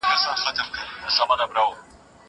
که وخت وي، مينه څرګندوم!!